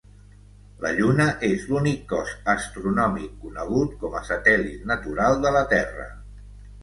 La Lluna és l'únic cos astronòmic conegut com a satèl·lit natural de la Terra.